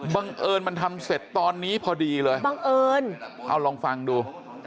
บังเอิญมันทำเสร็จตอนนี้พอดีเลยบังเอิญเอาลองฟังดู